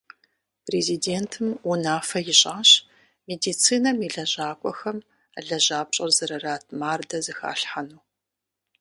Президентым унафэ ищӀащ медицинэм и лэжьакӀуэхэм лэжьапщӀэр зэрырат мардэ зэхалъхьэну.